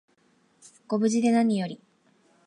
ご無事でなにより